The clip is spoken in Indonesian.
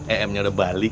em nya udah balik